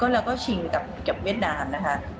แล้วก็ชิงกับเวียดนามนะคะ